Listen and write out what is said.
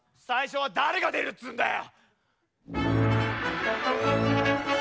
最初は誰が出るっつうんだよ！